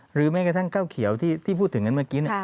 แม้กระทั่งข้าวเขียวที่พูดถึงกันเมื่อกี้